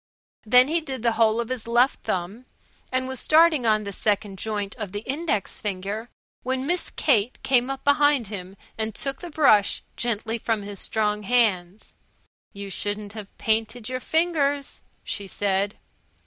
Then he did the whole of his left thumb, and was starting on the second joint of the index finger when Miss Kate came up behind him and took the brush gently from his strong hands. "You shouldn't have painted your fingers," she said.